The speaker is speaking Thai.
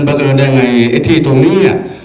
ประกันได้ไงไอ้ที่ตรงนี้